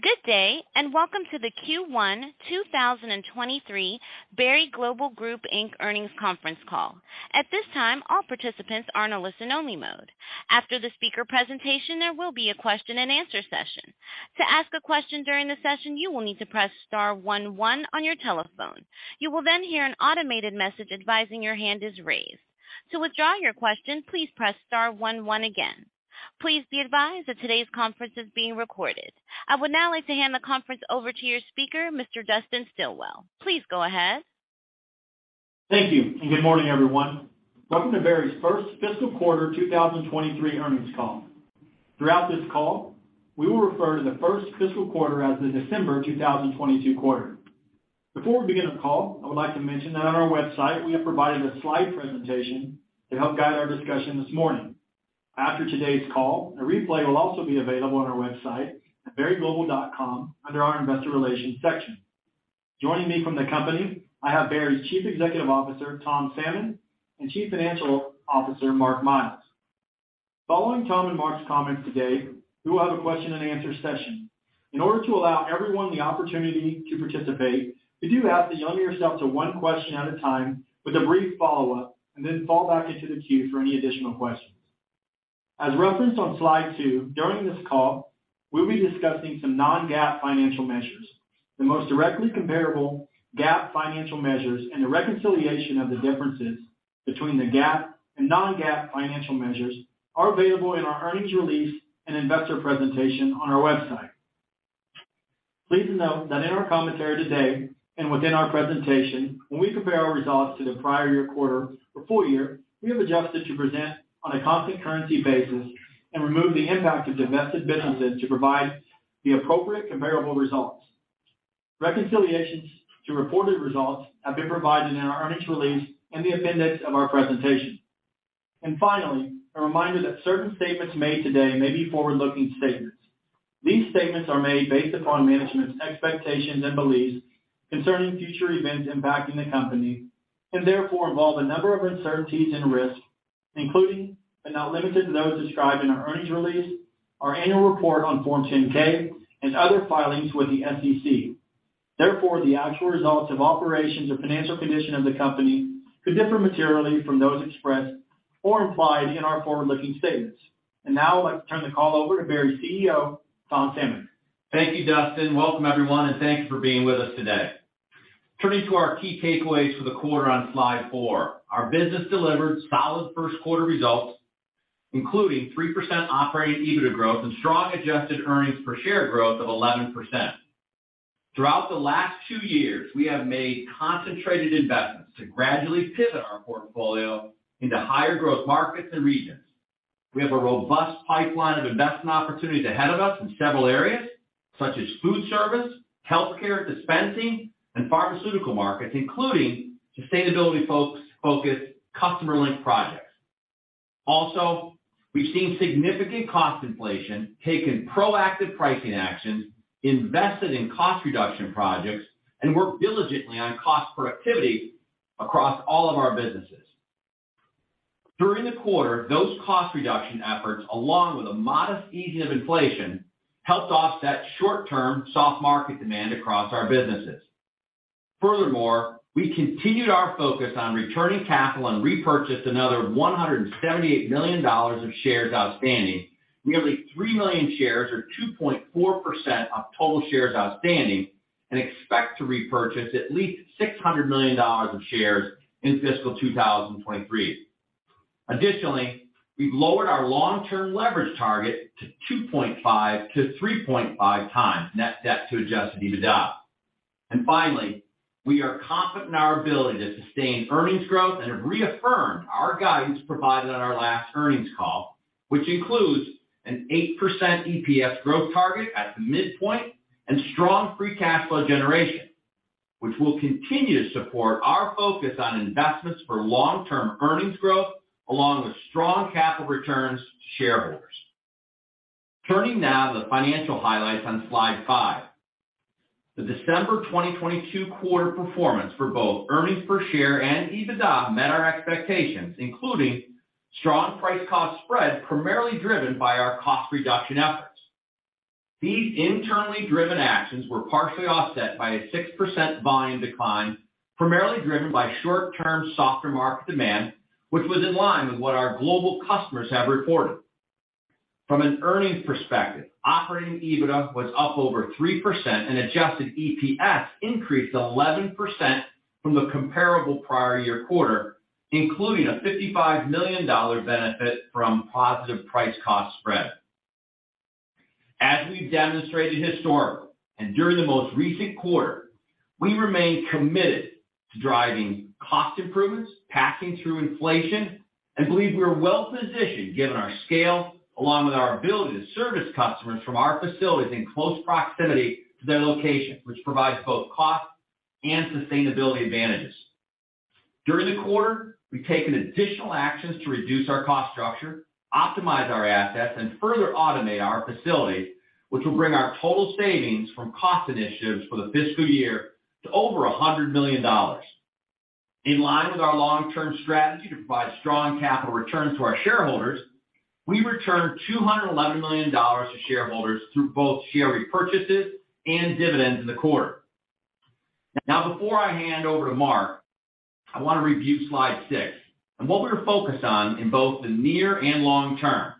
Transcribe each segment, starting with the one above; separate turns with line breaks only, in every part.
Good day, and welcome to the Q1 2023 Berry Global Group Inc. Earnings Conference Call. At this time, all participants are in a listen-only mode. After the speaker presentation, there will be a question-and-answer session. To ask a question during the session, you will need to press star one one on your telephone. You will hear an automated message advising your hand is raised. To withdraw your question, please press star one one again. Please be advised that today's conference is being recorded. I would now like to hand the conference over to your speaker, Mr. Dustin Stilwell. Please go ahead.
Thank you. Good morning, everyone. Welcome to Berry's First Fiscal Quarter 2023 Earnings Call. Throughout this call, we will refer to the first fiscal quarter as the December 2022 quarter. Before we begin the call, I would like to mention that on our website we have provided a slide presentation to help guide our discussion this morning. After today's call, a replay will also be available on our website at berryglobal.com under our Investor Relations section. Joining me from the company, I have Berry's Chief Executive Officer, Tom Salmon, and Chief Financial Officer, Mark Miles. Following Tom and Mark's comments today, we will have a question-and-answer session. In order to allow everyone the opportunity to participate, we do ask that you limit yourself to one question at a time with a brief follow-up, and then fall back into the queue for any additional questions. As referenced on slide two, during this call, we'll be discussing some non-GAAP financial measures. The most directly comparable GAAP financial measures and the reconciliation of the differences between the GAAP and non-GAAP financial measures are available in our earnings release and investor presentation on our website. Please note that in our commentary today and within our presentation, when we compare our results to the prior year quarter or full year, we have adjusted to present on a constant currency basis and remove the impact of divested businesses to provide the appropriate comparable results. Reconciliations to reported results have been provided in our earnings release in the appendix of our presentation. Finally, a reminder that certain statements made today may be forward-looking statements. These statements are made based upon management's expectations and beliefs concerning future events impacting the company, therefore involve a number of uncertainties and risks, including but not limited to those described in our earnings release, our annual report on Form 10-K and other filings with the SEC. Therefore, the actual results of operations or financial condition of the company could differ materially from those expressed or implied in our forward-looking statements. Now I'd like to turn the call over to Berry's CEO, Tom Salmon.
Thank you, Dustin. Welcome, everyone, and thank you for being with us today. Turning to our key takeaways for the quarter on slide four. Our business delivered solid first quarter results, including 3% operating EBITDA growth and strong adjusted earnings per share growth of 11%. Throughout the last two years, we have made concentrated investments to gradually pivot our portfolio into higher growth markets and regions. We have a robust pipeline of investment opportunities ahead of us in several areas, such as food service, healthcare dispensing, and pharmaceutical markets, including sustainability-focused customer link projects. Also, we've seen significant cost inflation, taken proactive pricing actions, invested in cost reduction projects, and worked diligently on cost productivity across all of our businesses. During the quarter, those cost reduction efforts, along with a modest easing of inflation, helped offset short-term soft market demand across our businesses. Furthermore, we continued our focus on returning capital and repurchased another $178 million of shares outstanding, nearly 3 million shares or 2.4% of total shares outstanding, and expect to repurchase at least $600 million of shares in fiscal 2023. We've lowered our long-term leverage target to 2.5x to 3.5x net debt to Adjusted EBITDA. We are confident in our ability to sustain earnings growth and have reaffirmed our guidance provided on our last earnings call, which includes an 8% EPS growth target at the midpoint and strong free cash flow generation, which will continue to support our focus on investments for long-term earnings growth along with strong capital returns to shareholders. Turning now to the financial highlights on slide five. The December 2022 quarter performance for both earnings per share and EBITDA met our expectations, including strong price cost spread, primarily driven by our cost reduction efforts. These internally driven actions were partially offset by a 6% volume decline, primarily driven by short-term softer market demand, which was in line with what our global customers have reported. From an earnings perspective, operating EBITDA was up over 3% and adjusted EPS increased 11% from the comparable prior year quarter, including a $55 million benefit from positive price cost spread. As we've demonstrated historically and during the most recent quarter, we remain committed to driving cost improvements, passing through inflation, and believe we are well-positioned given our scale along with our ability to service customers from our facilities in close proximity to their location, which provides both cost and sustainability advantages. During the quarter, we've taken additional actions to reduce our cost structure, optimize our assets, and further automate our facilities, which will bring our total savings from cost initiatives for the fiscal year to over $100 million. In line with our long-term strategy to provide strong capital returns to our shareholders, we returned $211 million to shareholders through both share repurchases and dividends in the quarter. Before I hand over to Mark, I want to review Slide six and what we are focused on in both the near and long term.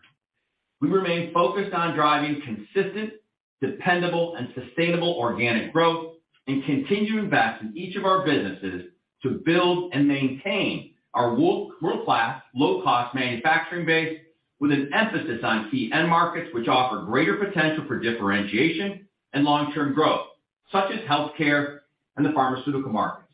We remain focused on driving consistent, dependable, and sustainable organic growth and continue to invest in each of our businesses to build and maintain our world-class, low-cost manufacturing base with an emphasis on key end markets which offer greater potential for differentiation and long-term growth, such as healthcare and the pharmaceutical markets.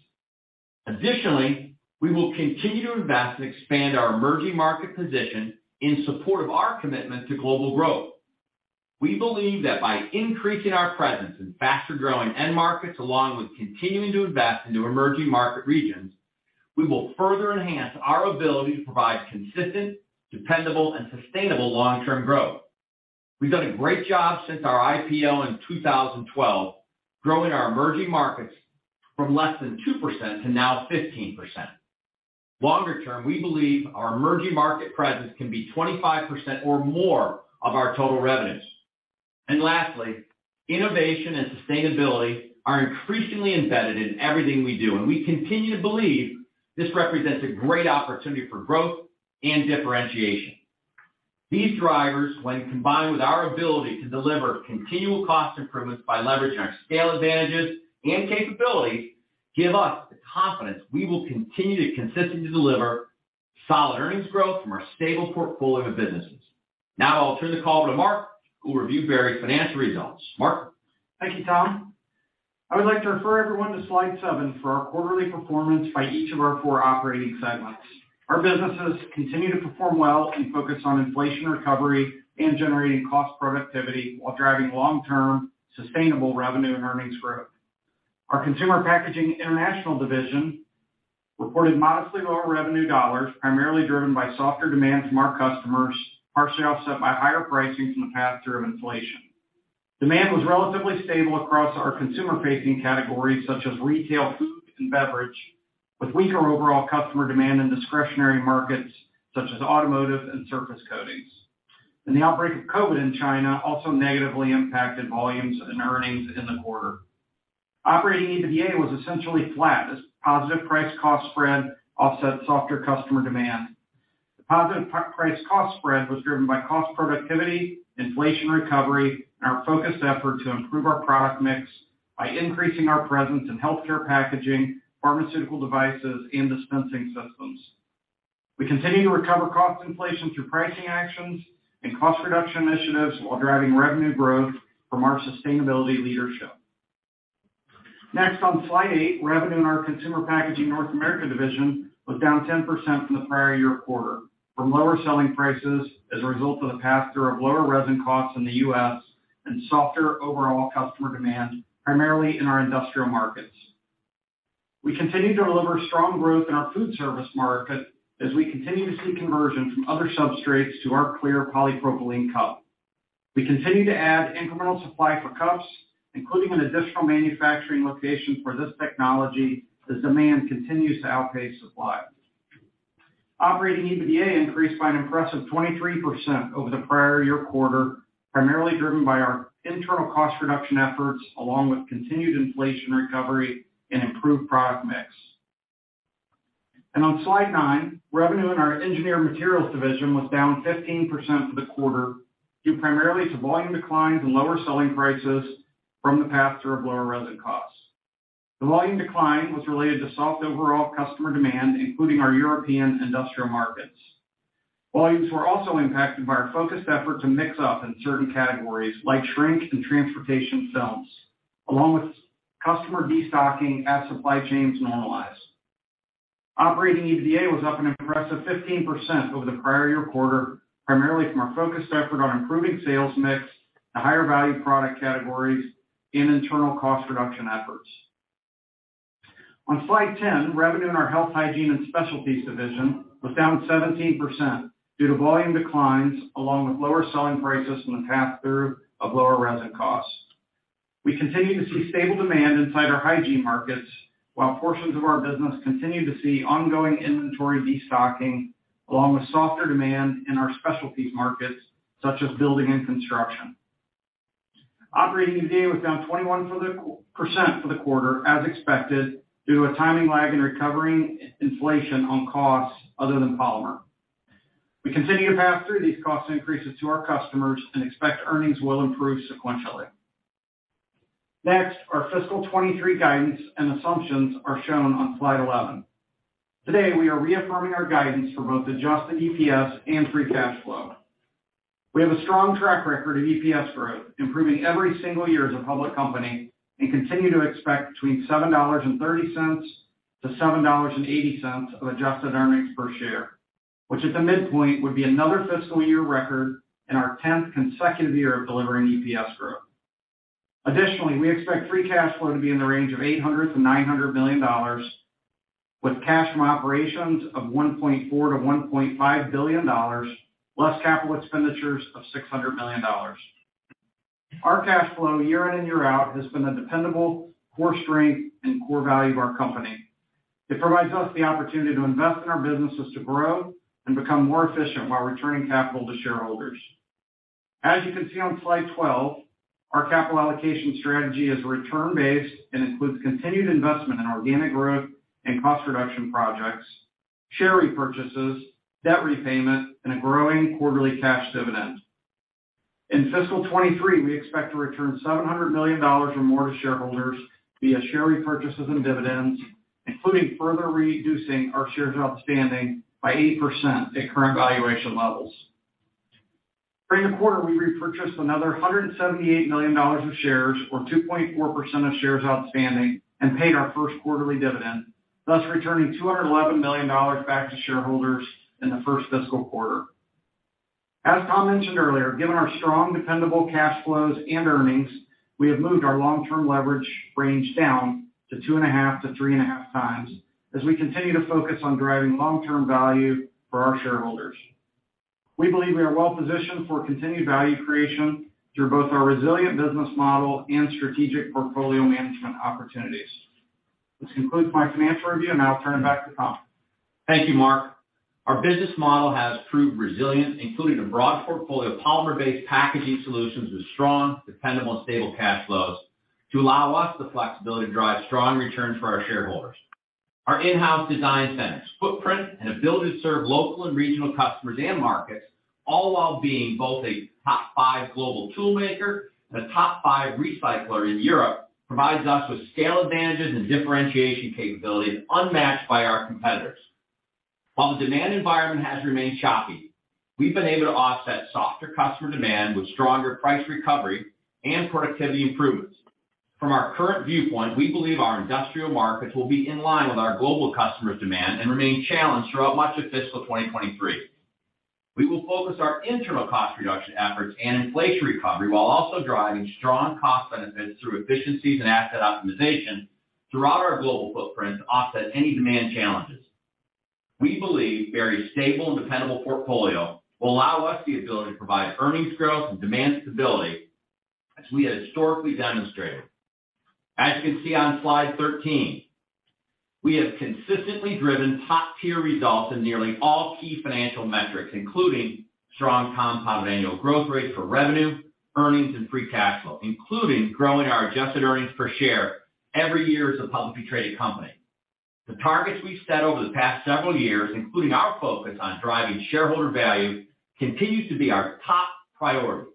Additionally, we will continue to invest and expand our emerging market position in support of our commitment to global growth. We believe that by increasing our presence in faster-growing end markets, along with continuing to invest into emerging market regions, we will further enhance our ability to provide consistent, dependable, and sustainable long-term growth. We've done a great job since our IPO in 2012, growing our emerging markets from less than 2% to now 15%. Longer term, we believe our emerging market presence can be 25% or more of our total revenues. Lastly, innovation and sustainability are increasingly embedded in everything we do, and we continue to believe this represents a great opportunity for growth and differentiation. These drivers, when combined with our ability to deliver continual cost improvements by leveraging our scale advantages and capabilities, give us the confidence we will continue to consistently deliver solid earnings growth from our stable portfolio of businesses. I'll turn the call to Mark, who will review Berry's financial results. Mark?
Thank you, Tom. I would like to refer everyone to slide seven for our quarterly performance by each of our four operating segments. Our businesses continue to perform well and focus on inflation recovery and generating cost productivity while driving long-term sustainable revenue and earnings growth. Our Consumer Packaging International division reported modestly lower revenue dollars, primarily driven by softer demand from our customers, partially offset by higher pricing from the pass-through of inflation. Demand was relatively stable across our consumer-facing categories, such as retail food and beverage, with weaker overall customer demand in discretionary markets such as automotive and surface coatings. The outbreak of COVID in China also negatively impacted volumes and earnings in the quarter. Operating EBITDA was essentially flat as positive price-cost spread offset softer customer demand. The positive price-cost spread was driven by cost productivity, inflation recovery, and our focused effort to improve our product mix by increasing our presence in healthcare packaging, pharmaceutical devices, and dispensing systems. We continue to recover cost inflation through pricing actions and cost reduction initiatives while driving revenue growth from our sustainability leadership. On slide eight, revenue in our Consumer Packaging North America division was down 10% from the prior year quarter from lower selling prices as a result of the pass-through of lower resin costs in the U.S. and softer overall customer demand, primarily in our industrial markets. We continue to deliver strong growth in our food service market as we continue to see conversion from other substrates to our clear polypropylene cup. We continue to add incremental supply for cups, including an additional manufacturing location for this technology as demand continues to outpace supply. Operating EBITDA increased by an impressive 23% over the prior year quarter, primarily driven by our internal cost reduction efforts along with continued inflation recovery and improved product mix. On slide nine, revenue in our Engineered Materials division was down 15% for the quarter, due primarily to volume declines and lower selling prices from the pass-through of lower resin costs. The volume decline was related to soft overall customer demand, including our European industrial markets. Volumes were also impacted by our focused effort to mix up in certain categories like shrink and transportation films, along with customer destocking as supply chains normalize. Operating EBITDA was up an impressive 15% over the prior year quarter, primarily from our focused effort on improving sales mix to higher value product categories and internal cost reduction efforts. On slide 10, revenue in our Health, Hygiene, and Specialties division was down 17% due to volume declines along with lower selling prices from the pass-through of lower resin costs. We continue to see stable demand inside our hygiene markets, while portions of our business continue to see ongoing inventory destocking along with softer demand in our specialties markets such as building and construction. Operating EBITDA was down 21% for the quarter as expected, due to a timing lag in recovering inflation on costs other than polymer. We continue to pass through these cost increases to our customers and expect earnings will improve sequentially. Our fiscal 2023 guidance and assumptions are shown on slide 11. Today, we are reaffirming our guidance for both adjusted EPS and free cash flow. We have a strong track record of EPS growth, improving every single year as a public company, and continue to expect between $7.30-$7.80 of adjusted earnings per share, which at the midpoint would be another fiscal year record and our tenth consecutive year of delivering EPS growth. Additionally, we expect free cash flow to be in the range of $800 million-$900 million, with cash from operations of $1.4 billion-$1.5 billion, plus capital expenditures of $600 million. Our cash flow year in and year out has been a dependable core strength and core value of our company. It provides us the opportunity to invest in our businesses to grow and become more efficient while returning capital to shareholders. As you can see on slide 12, our capital allocation strategy is return based and includes continued investment in organic growth and cost reduction projects, share repurchases, debt repayment, and a growing quarterly cash dividend. In fiscal 2023, we expect to return $700 million or more to shareholders via share repurchases and dividends, including further reducing our shares outstanding by 80% at current valuation levels. During the quarter, we repurchased another $178 million of shares, or 2.4% of shares outstanding, and paid our first quarterly dividend, thus returning $211 million back to shareholders in the first fiscal quarter. As Tom mentioned earlier, given our strong dependable cash flows and earnings, we have moved our long-term leverage range down to 2.5x to 3.5x as we continue to focus on driving long-term value for our shareholders. We believe we are well positioned for continued value creation through both our resilient business model and strategic portfolio management opportunities. This concludes my financial review, and now turn it back to Tom.
Thank you, Mark. Our business model has proved resilient, including a broad portfolio of polymer-based packaging solutions with strong, dependable, and stable cash flows to allow us the flexibility to drive strong returns for our shareholders. Our in-house design centers, footprint, and ability to serve local and regional customers and markets, all while being both a top five global tool maker and a top five recycler in Europe, provides us with scale advantages and differentiation capabilities unmatched by our competitors. While the demand environment has remained choppy, we've been able to offset softer customer demand with stronger price recovery and productivity improvements. From our current viewpoint, we believe our industrial markets will be in line with our global customers demand and remain challenged throughout much of fiscal 2023. We will focus our internal cost reduction efforts and inflation recovery while also driving strong cost benefits through efficiencies and asset optimization throughout our global footprint to offset any demand challenges. We believe Berry's stable and dependable portfolio will allow us the ability to provide earnings growth and demand stability as we have historically demonstrated. As you can see on slide 13, we have consistently driven top-tier results in nearly all key financial metrics, including strong compound annual growth rate for revenue, earnings, and free cash flow, including growing our adjusted earnings per share every year as a publicly traded company. The targets we've set over the past several years, including our focus on driving shareholder value, continues to be our top priority.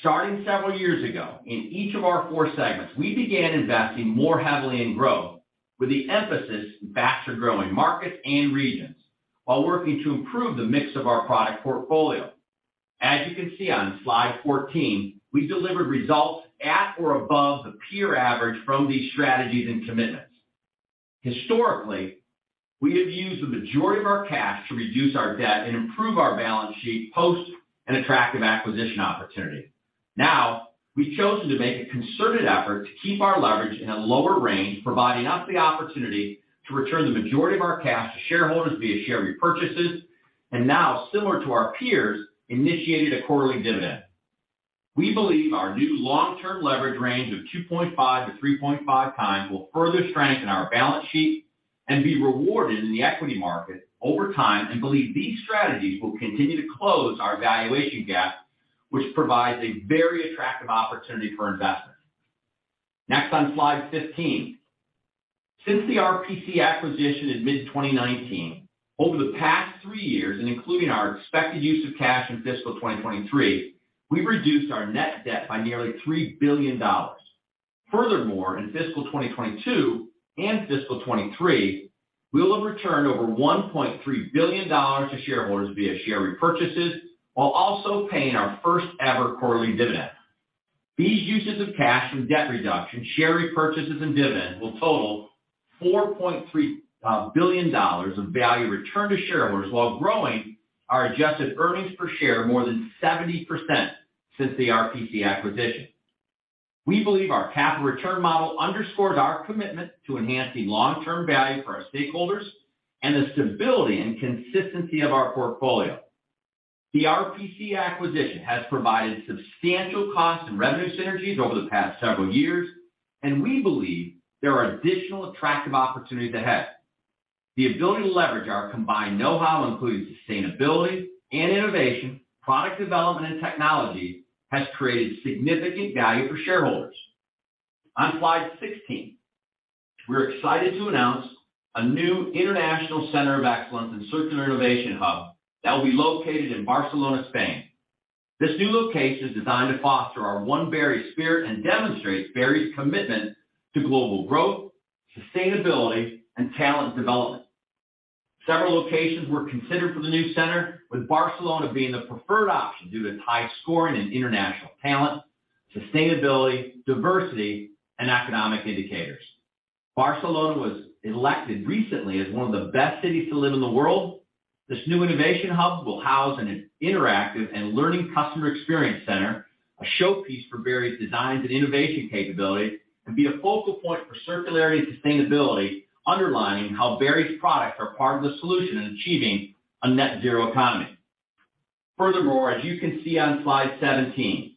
Starting several years ago, in each of our four segments, we began investing more heavily in growth with the emphasis in faster-growing markets and regions while working to improve the mix of our product portfolio. As you can see on slide 14, we delivered results at or above the peer average from these strategies and commitments. Historically, we have used the majority of our cash to reduce our debt and improve our balance sheet post an attractive acquisition opportunity. Now, we've chosen to make a concerted effort to keep our leverage in a lower range, providing us the opportunity to return the majority of our cash to shareholders via share repurchases, and now, similar to our peers, initiated a quarterly dividend. We believe our new long-term leverage range of 2.5x to 3.5x will further strengthen our balance sheet and be rewarded in the equity market over time. Believe these strategies will continue to close our valuation gap, which provides a very attractive opportunity for investors. Next on slide 15. Since the RPC acquisition in mid-2019, over the past three years, and including our expected use of cash in fiscal 2023, we've reduced our net debt by nearly $3 billion. Furthermore, in fiscal 2022 and fiscal 2023, we will have returned over $1.3 billion to shareholders via share repurchases while also paying our first-ever quarterly dividend. These uses of cash from debt reduction, share repurchases, and dividends will total $4.3 billion of value returned to shareholders while growing our adjusted earnings per share more than 70% since the RPC acquisition. We believe our capital return model underscores our commitment to enhancing long-term value for our stakeholders and the stability and consistency of our portfolio. The RPC acquisition has provided substantial cost and revenue synergies over the past several years, and we believe there are additional attractive opportunities ahead. The ability to leverage our combined know-how, including sustainability and innovation, product development, and technology, has created significant value for shareholders. On slide 16, we're excited to announce a new international center of excellence and circular innovation hub that will be located in Barcelona, Spain. This new location is designed to foster our One Berry spirit and demonstrates Berry's commitment to global growth, sustainability, and talent development. Several locations were considered for the new center, with Barcelona being the preferred option due to its high scoring in international talent, sustainability, diversity, and economic indicators. Barcelona was elected recently as one of the best cities to live in the world. This new innovation hub will house an in-interactive and learning customer experience center, a showpiece for Berry's designs and innovation capability, and be a focal point for circularity and sustainability, underlining how Berry's products are part of the solution in achieving a net zero economy. Furthermore, as you can see on slide 17,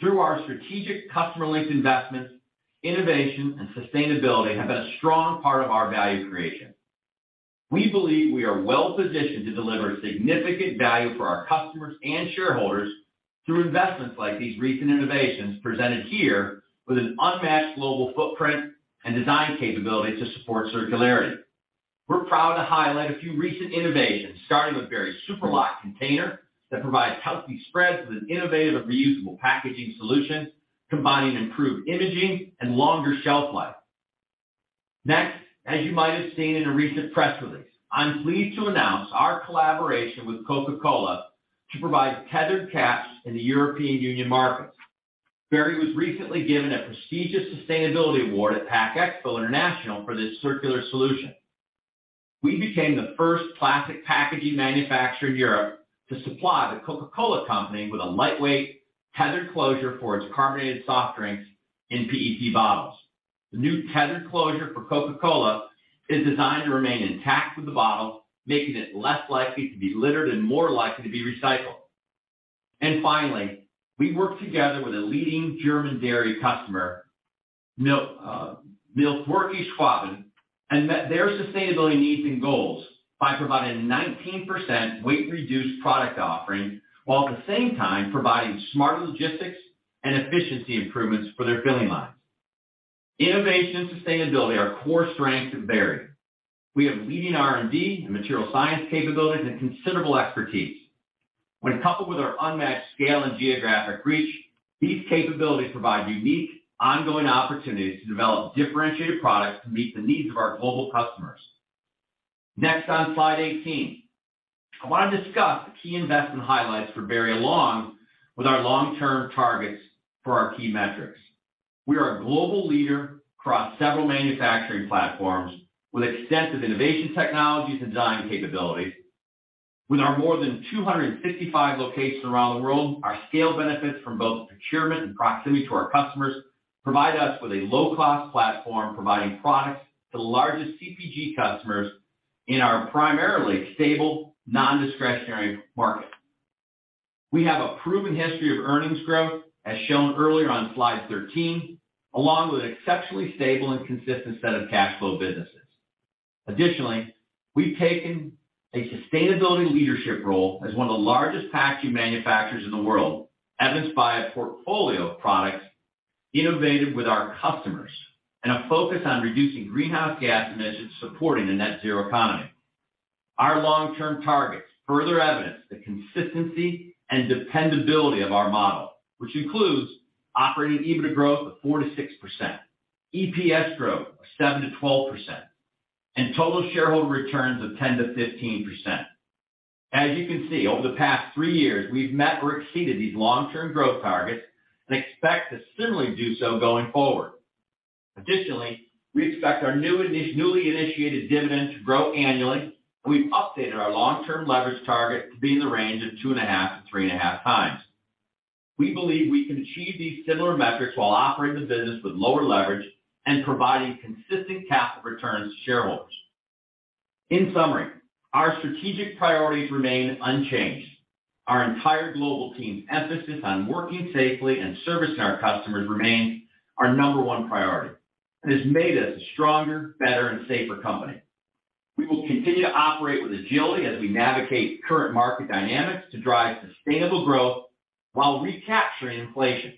through our strategic customer linked investments, innovation and sustainability have been a strong part of our value creation. We believe we are well positioned to deliver significant value for our customers and shareholders through investments like these recent innovations presented here with an unmatched global footprint and design capability to support circularity. We're proud to highlight a few recent innovations, starting with Berry's SuperLock container that provides healthy spreads with an innovative and reusable packaging solution, combining improved imaging and longer shelf life. As you might have seen in a recent press release, I'm pleased to announce our collaboration with Coca-Cola to provide tethered caps in the European Union market. Berry was recently given a prestigious sustainability award at PACK EXPO International for this circular solution. We became the first plastic packaging manufacturer in Europe to supply the Coca-Cola company with a lightweight, tethered closure for its carbonated soft drinks in PET bottles. The new tethered closure for Coca-Cola is designed to remain intact with the bottle, making it less likely to be littered and more likely to be recycled. Finally, we worked together with a leading German dairy customer, Milchwerke Schwaben, and met their sustainability needs and goals by providing 19% weight reduced product offering, while at the same time providing smarter logistics and efficiency improvements for their filling lines. Innovation and sustainability are core strengths of Berry. We have leading R&D and material science capabilities and considerable expertise. When coupled with our unmatched scale and geographic reach, these capabilities provide unique, ongoing opportunities to develop differentiated products to meet the needs of our global customers. Next on slide 18, I want to discuss key investment highlights for Berry along with our long-term targets for our key metrics. We are a global leader across several manufacturing platforms with extensive innovation technologies and design capabilities. With our more than 255 locations around the world, our scale benefits from both procurement and proximity to our customers provide us with a low-cost platform, providing products to the largest CPG customers in our primarily stable, nondiscretionary market. We have a proven history of earnings growth, as shown earlier on slide 13, along with exceptionally stable and consistent set of cash flow businesses. We've taken a sustainability leadership role as one of the largest packaging manufacturers in the world, evidenced by a portfolio of products innovated with our customers and a focus on reducing greenhouse gas emissions, supporting the net zero economy. Our long-term targets further evidence the consistency and dependability of our model, which includes operating EBITDA growth of 4%-6%, EPS growth of 7%-12%, and total shareholder returns of 10%-15%. As you can see, over the past three years, we've met or exceeded these long-term growth targets and expect to similarly do so going forward. We expect our newly initiated dividend to grow annually. We've updated our long-term leverage target to be in the range of 2.5x to 3.5x. We believe we can achieve these similar metrics while operating the business with lower leverage and providing consistent capital returns to shareholders. Our strategic priorities remain unchanged. Our entire global team's emphasis on working safely and servicing our customers remains our number one priority. It has made us a stronger, better, and safer company. We will continue to operate with agility as we navigate current market dynamics to drive sustainable growth while recapturing inflation.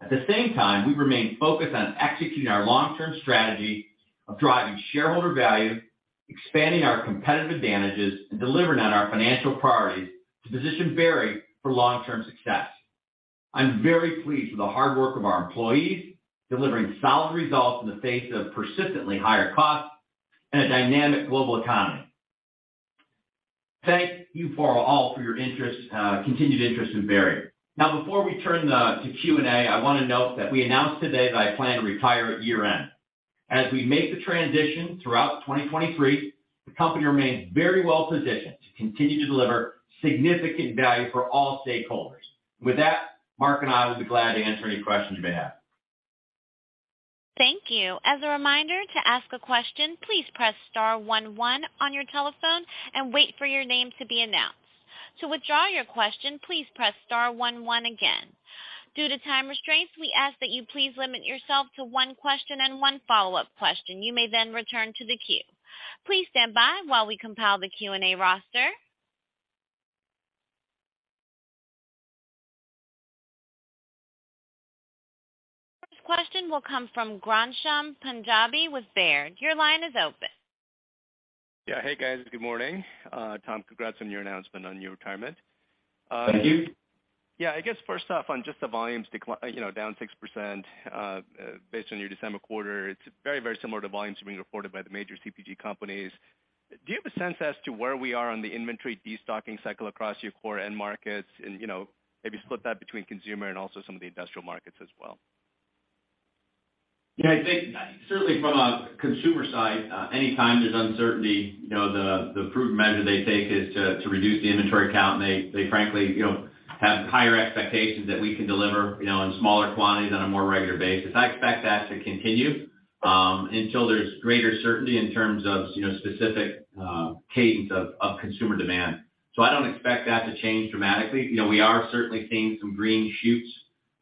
At the same time, we remain focused on executing our long-term strategy of driving shareholder value, expanding our competitive advantages, and delivering on our financial priorities to position Berry for long-term success. I'm very pleased with the hard work of our employees, delivering solid results in the face of persistently higher costs and a dynamic global economy. Thank you for all for your interest, continued interest in Berry. Before we turn to Q&A, I want to note that we announced today that I plan to retire at year-end. As we make the transition throughout 2023, the company remains very well positioned to continue to deliver significant value for all stakeholders. With that, Mark and I will be glad to answer any questions you may have.
Thank you. As a reminder, to ask a question, please press star one one on your telephone and wait for your name to be announced. To withdraw your question, please press star one one again. Due to time restraints, we ask that you please limit yourself to one question and one follow-up question. You may then return to the queue. Please stand by while we compile the Q&A roster. First question will come from Ghansham Panjabi with Baird. Your line is open.
Yeah. Hey, guys. Good morning. Tom, congrats on your announcement on your retirement.
Thank you.
Yeah, I guess first off, on just the volumes you know, down 6%, based on your December quarter, it's very, very similar to volumes being reported by the major CPG companies. Do you have a sense as to where we are on the inventory destocking cycle across your core end markets? You know, maybe split that between consumer and also some of the industrial markets as well.
Yeah, I think certainly from a consumer side, anytime there's uncertainty, you know, the proven measure they take is to reduce the inventory count. They frankly, you know, have higher expectations that we can deliver, you know, in smaller quantities on a more regular basis. I expect that to continue until there's greater certainty in terms of, you know, specific cadence of consumer demand. I don't expect that to change dramatically. You know, we are certainly seeing some green shoots.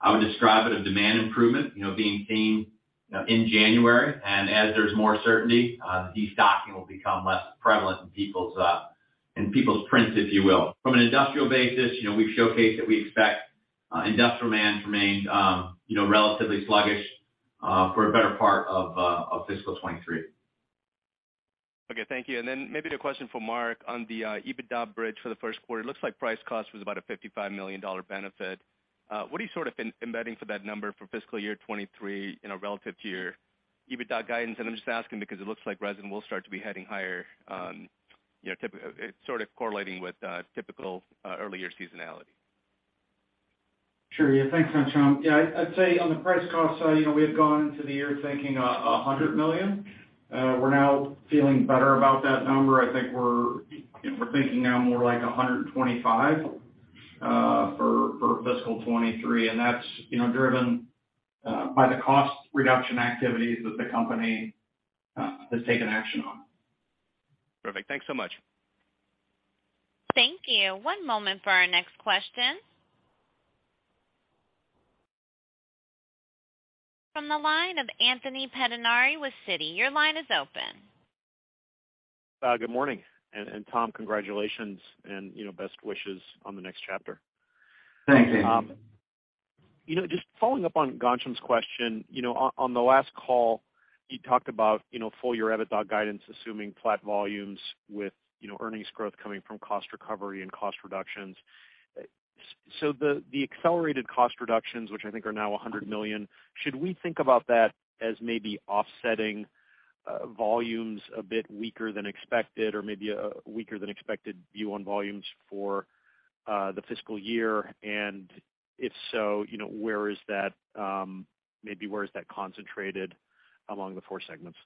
I would describe it of demand improvement, you know, being seen, you know, in January. As there's more certainty, the destocking will become less prevalent in people's prints, if you will. From an industrial basis, you know, we've showcased that we expect, industrial demand to remain, you know, relatively sluggish, for a better part of fiscal 2023.
Okay, thank you. Maybe the question for Mark on the EBITDA bridge for the first quarter. It looks like price cost was about a $55 million benefit. What are you sort of embedding for that number for fiscal year 2023, you know, relative to your EBITDA guidance? I'm just asking because it looks like resin will start to be heading higher, you know, It's sort of correlating with typical early year seasonality.
Sure. Yeah, thanks, Ghansham. Yeah, I'd say on the price cost side, you know, we had gone into the year thinking a $100 million. We're now feeling better about that number. I think we're, you know, we're thinking now more like $125 million for fiscal 2023. That's, you know, driven by the cost reduction activities that the company has taken action on.
Perfect. Thanks so much.
Thank you. One moment for our next question. From the line of Anthony Pettinari with Citi, your line is open.
Good morning. Tom, congratulations and, you know, best wishes on the next chapter.
Thanks, Anthony.
You know, just following up on Ghansham's question, you know, on the last call, you talked about, you know, full year EBITDA guidance, assuming flat volumes with, you know, earnings growth coming from cost recovery and cost reductions. So the accelerated cost reductions, which I think are now $100 million, should we think about that as maybe offsetting volumes a bit weaker than expected or maybe a weaker than expected view on volumes for the fiscal year? If so, you know, where is that, maybe where is that concentrated along the four segments?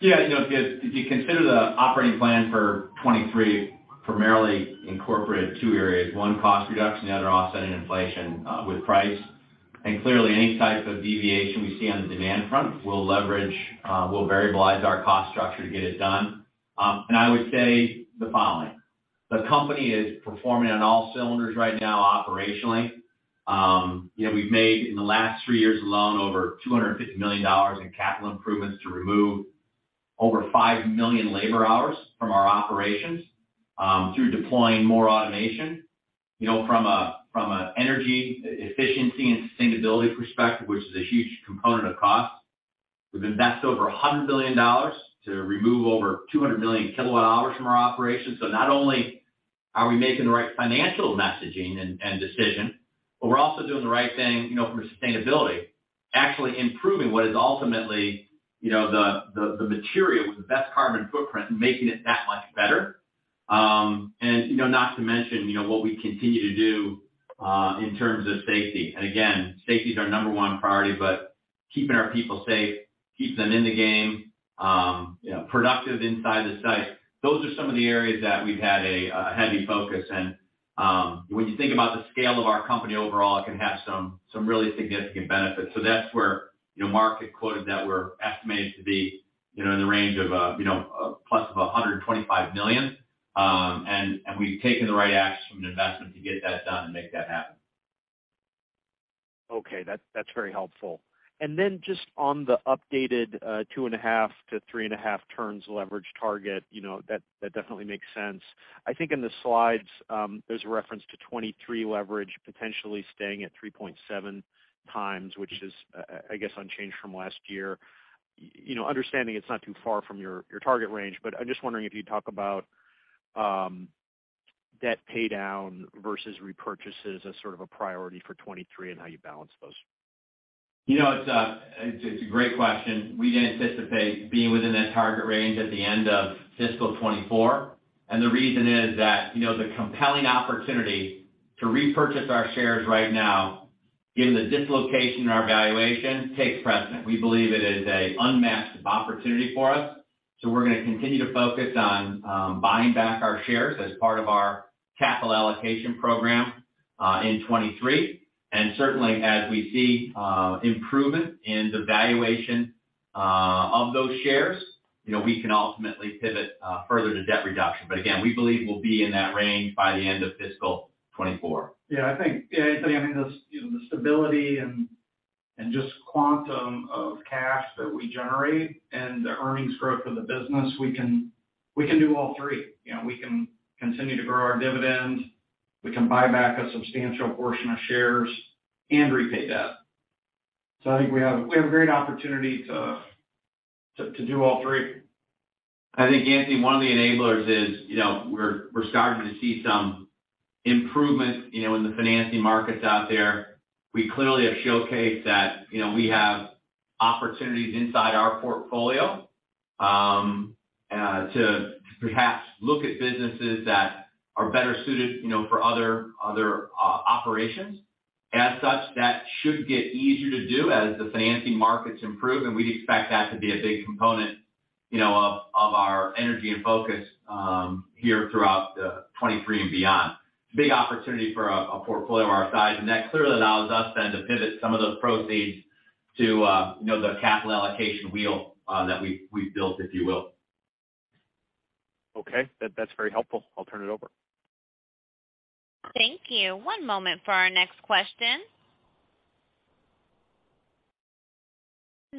Yeah, you know, if you consider the operating plan for 2023, primarily incorporate two areas. One, cost reduction, the other, offsetting inflation with price. Clearly, any type of deviation we see on the demand front, we'll leverage, we'll variabilize our cost structure to get it done. I would say the following: The company is performing on all cylinders right now operationally. You know, we've made, in the last three years alone, over $250 million in capital improvements to remove over 5 million labor hours from our operations through deploying more automation. You know, from a energy efficiency and sustainability perspective, which is a huge component of cost, we've invested over $100 million to remove over 200 million kilowatt hours from our operations. Not only are we making the right financial messaging and decision, but we're also doing the right thing, you know, from a sustainability. Actually improving what is ultimately, you know, the material with the best carbon footprint and making it that much better. And, you know, not to mention, you know, what we continue to do in terms of safety. Again, safety is our number one priority, but keeping our people safe, keeps them in the game, you know, productive inside the site. Those are some of the areas that we've had a heavy focus on. When you think about the scale of our company overall, it can have some really significant benefits. That's where, you know, Mark Miles had quoted that we're estimated to be, you know, in the range of, you know, +$125 million. We've taken the right actions from an investment to get that done and make that happen.
Okay. That's very helpful. Just on the updated 2.5x to 3.5x leverage target, you know, that definitely makes sense. I think in the slides, there's a reference to 2023 leverage potentially staying at 3.7x, which is, I guess, unchanged from last year. You know, understanding it's not too far from your target range, but I'm just wondering if you'd talk about debt paydown versus repurchases as sort of a priority for 2023 and how you balance those.
You know, it's a great question. We didn't anticipate being within that target range at the end of fiscal 2024. The reason is that, you know, the compelling opportunity to repurchase our shares right now, given the dislocation in our valuation, takes precedent. We believe it is a unmatched opportunity for us. We're gonna continue to focus on buying back our shares as part of our capital allocation program in 2023. Certainly, as we see improvement in the valuation of those shares, you know, we can ultimately pivot further to debt reduction. Again, we believe we'll be in that range by the end of fiscal 2024.
I think, I mean, the, you know, the stability and just quantum of cash that we generate and the earnings growth of the business, we can do all three. You know, we can continue to grow our dividend, we can buy back a substantial portion of shares, and repay debt. I think we have a great opportunity to do all three.
I think, Anthony, one of the enablers is, you know, we're starting to see some improvement, you know, in the financing markets out there. We clearly have showcased that, you know, we have opportunities inside our portfolio to perhaps look at businesses that are better suited, you know, for other operations. As such, that should get easier to do as the financing markets improve, and we'd expect that to be a big component, you know, of Our energy and focus here throughout 2023 and beyond. It's a big opportunity for a portfolio of our size, and that clearly allows us then to pivot some of those proceeds to, you know, the capital allocation wheel that we've built, if you will.
Okay. That's very helpful. I'll turn it over.
Thank you. One moment for our next question.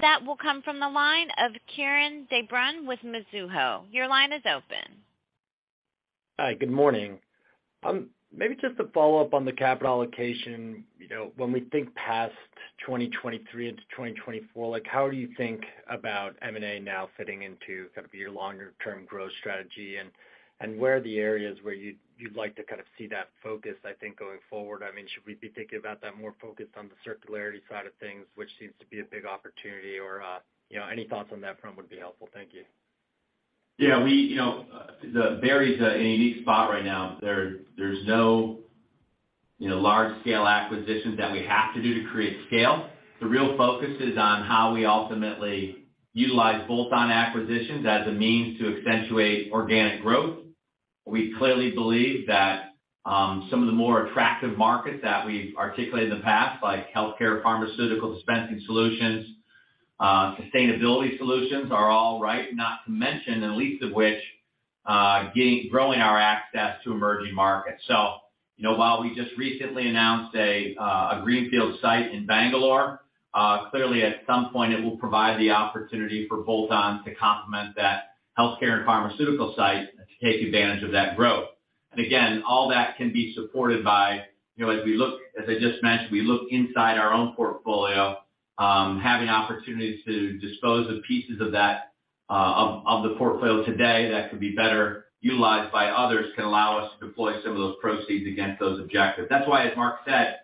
That will come from the line of Kieran de Brun with Mizuho. Your line is open.
Hi, good morning. Maybe just to follow up on the capital allocation. You know, when we think past 2023 into 2024, like how do you think about M&A now fitting into kind of your longer-term growth strategy? Where are the areas where you'd like to kind of see that focus, I think, going forward? I mean, should we be thinking about that more focused on the circularity side of things, which seems to be a big opportunity or, you know, any thoughts on that front would be helpful. Thank you.
You know, Berry's in a unique spot right now. There's no, you know, large scale acquisitions that we have to do to create scale. The real focus is on how we ultimately utilize bolt-on acquisitions as a means to accentuate organic growth. We clearly believe that, some of the more attractive markets that we've articulated in the past, like healthcare, pharmaceutical dispensing solutions, sustainability solutions are all right, not to mention and least of which, growing our access to emerging markets. You know, while we just recently announced a greenfield site in Bangalore, clearly at some point it will provide the opportunity for bolt-on to complement that healthcare and pharmaceutical site to take advantage of that growth. Again, all that can be supported by, you know, as we look, as I just mentioned, we look inside our own portfolio, having opportunities to dispose of pieces of that, of the portfolio today that could be better utilized by others can allow us to deploy some of those proceeds against those objectives. That's why, as Mark said,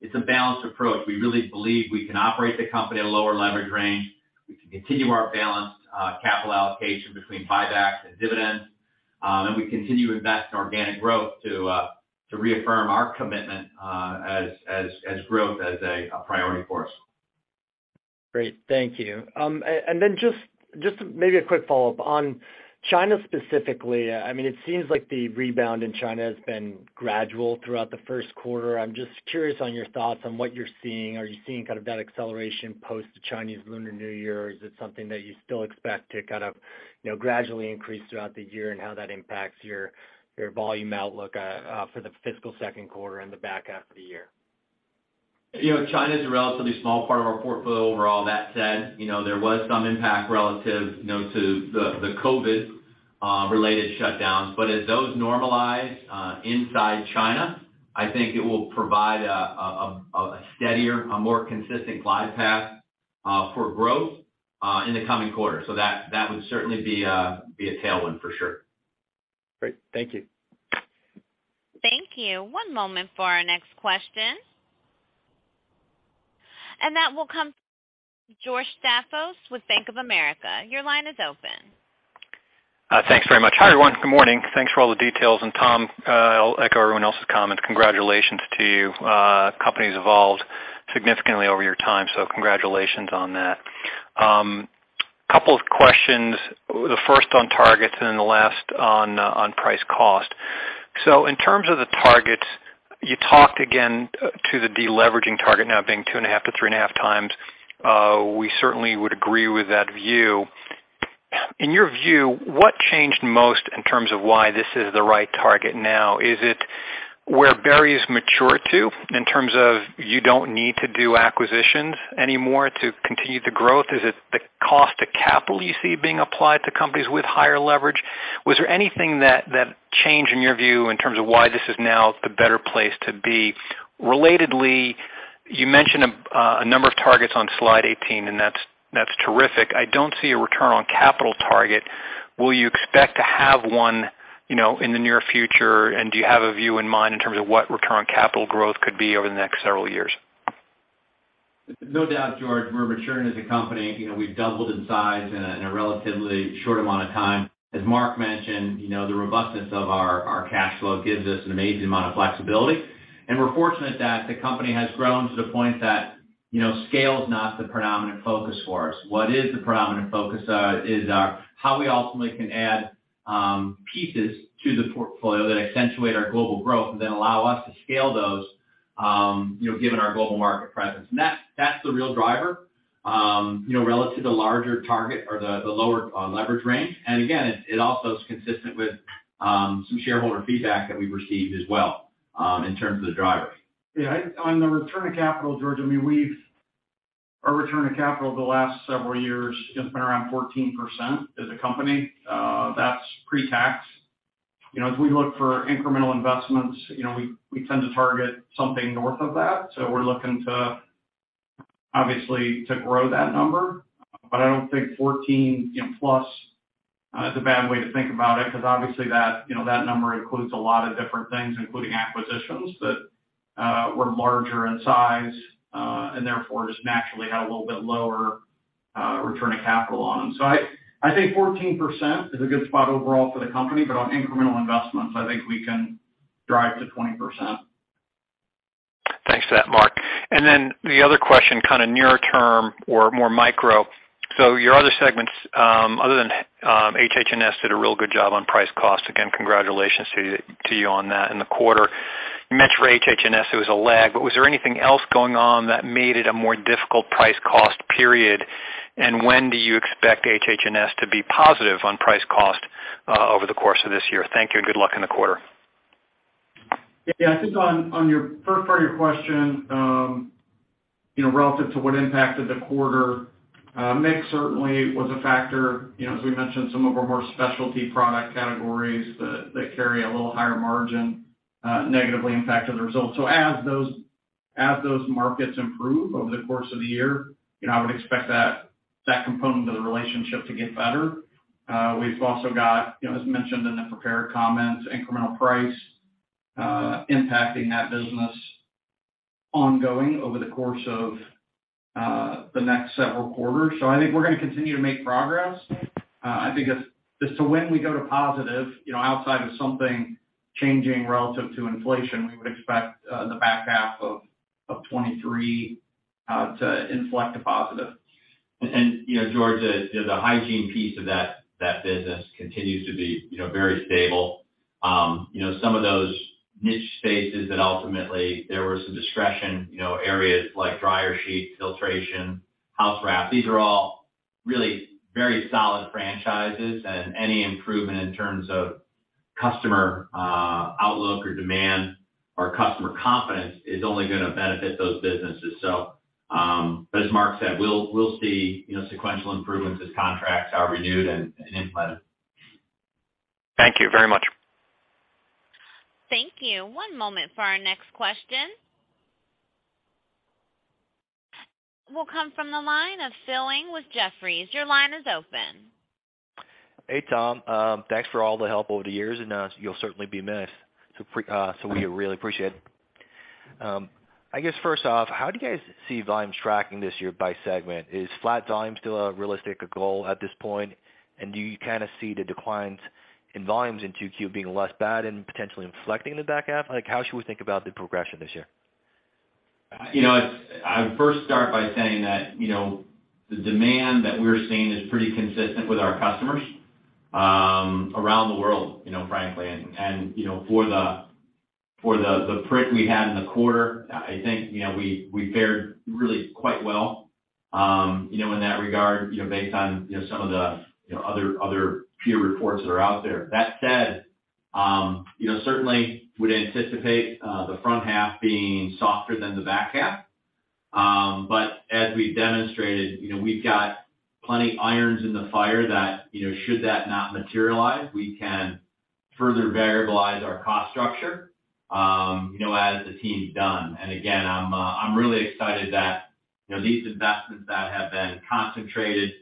it's a balanced approach. We really believe we can operate the company at a lower leverage range. We can continue our balanced capital allocation between buybacks and dividends. And we continue to invest in organic growth to reaffirm our commitment as growth as a priority for us.
Great. Thank you. Then maybe a quick follow-up. On China specifically, I mean, it seems like the rebound in China has been gradual throughout the first quarter. I'm just curious on your thoughts on what you're seeing. Are you seeing kind of that acceleration post the Chinese Lunar New Year, or is it something that you still expect to kind of, you know, gradually increase throughout the year and how that impacts your volume outlook for the fiscal second quarter and the back half of the year?
You know, China is a relatively small part of our portfolio overall. That said, you know, there was some impact relative, you know, to the COVID related shutdowns. As those normalize inside China, I think it will provide a steadier, a more consistent glide path for growth in the coming quarters. That would certainly be a tailwind for sure.
Great. Thank you.
Thank you. One moment for our next question. That will come George Staphos with Bank of America. Your line is open.
Thanks very much. Hi, everyone. Good morning. Thanks for all the details. Tom, I'll echo everyone else's comments. Congratulations to you. Company's evolved significantly over your time, so congratulations on that. Couple of questions, the first on targets and then the last on price cost. In terms of the targets, you talked again to the deleveraging target now being 2.5x to 3.5x. We certainly would agree with that view. In your view, what changed most in terms of why this is the right target now? Is it where Berry's matured to in terms of you don't need to do acquisitions anymore to continue the growth? Is it the cost of capital you see being applied to companies with higher leverage? Was there anything that changed in your view in terms of why this is now the better place to be? Relatedly, you mentioned a number of targets on slide 18, and that's terrific. I don't see a return on capital target. Will you expect to have one, you know, in the near future? Do you have a view in mind in terms of what return on capital growth could be over the next several years?
No doubt, George, we're maturing as a company. You know, we've doubled in size in a relatively short amount of time. As Mark mentioned, you know, the robustness of our cash flow gives us an amazing amount of flexibility. We're fortunate that the company has grown to the point that, you know, scale is not the predominant focus for us. What is the predominant focus is how we ultimately can add pieces to the portfolio that accentuate our global growth then allow us to scale those, you know, given our global market presence. That's the real driver, you know, relative to larger target or the lower leverage range. Again, it also is consistent with some shareholder feedback that we've received as well in terms of the drivers.
Yeah, on the return of capital, George, I mean, Our return of capital the last several years has been around 14% as a company. That's pre-tax. You know, as we look for incremental investments, you know, we tend to target something north of that. We're looking to, obviously, to grow that number. I don't think 14, you know, plus, is a bad way to think about it because obviously that, you know, that number includes a lot of different things, including acquisitions that were larger in size, and therefore just naturally had a little bit lower, return of capital on them. I think 14% is a good spot overall for the company, but on incremental investments, I think we can drive to 20%.
Thanks for that, Mark. The other question, kind of nearer term or more micro. Your other segments, other than HH&S did a real good job on price cost. Again, congratulations to you on that. In the quarter, you mentioned for HH&S, it was a lag, but was there anything else going on that made it a more difficult price cost period? When do you expect HH&S to be positive on price cost over the course of this year? Thank you, and good luck in the quarter.
Yeah, I think on your first part of your question, you know, relative to what impacted the quarter, mix certainly was a factor. You know, as we mentioned, some of our more specialty product categories that carry a little higher margin, negatively impacted the results. As those markets improve over the course of the year, you know, I would expect that component of the relationship to get better. We've also got, you know, as mentioned in the prepared comments, incremental price impacting that business ongoing over the course of the next several quarters. I think we're gonna continue to make progress. I think as to when we go to positive, you know, outside of something changing relative to inflation, we would expect the back half of 2023 to inflect to positive.
You know, George, the hygiene piece of that business continues to be, you know, very stable. You know, some of those niche spaces that ultimately there was some discretion, you know, areas like dryer sheets, filtration, house wrap, these are all really very solid franchises, and any improvement in terms of customer outlook or demand or customer confidence is only gonna benefit those businesses. But as Mark said, we'll see, you know, sequential improvements as contracts are renewed and implemented.
Thank you very much.
Thank you. One moment for our next question. Will come from the line of Philip Ng with Jefferies. Your line is open.
Hey, Tom. Thanks for all the help over the years, and you'll certainly be missed. We really appreciate it. I guess, first off, how do you guys see volumes tracking this year by segment? Is flat volume still a realistic goal at this point? Do you kinda see the declines in volumes in 2Q being less bad and potentially inflecting in the back half? Like, how should we think about the progression this year?
You know, I would first start by saying that, you know, the demand that we're seeing is pretty consistent with our customers, around the world, you know, frankly. You know, for the prick we had in the quarter, I think, you know, we fared really quite well, in that regard, you know, based on, you know, some of the other peer reports that are out there. That said, certainly would anticipate the front half being softer than the back half. But as we've demonstrated, you know, we've got plenty irons in the fire that, you know, should that not materialize, we can further variablize our cost structure, as the team's done. I'm really excited that, you know, these investments that have been concentrated